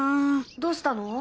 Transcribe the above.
どうしたの？